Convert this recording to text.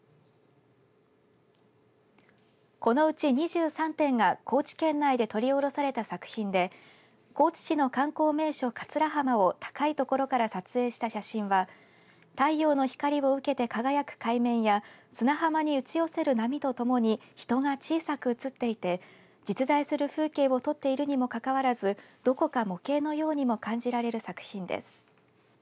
このうち２３点が高知県内で撮りおろされた作品で高知市の観光名所、桂浜を高い所から撮影した写真は太陽の光を受けて輝く海面や砂浜に打ち寄せる波とともに人が小さく写っていて実在する風景を撮っているにもかかわらずどこか模型のようにも感じられる作品です。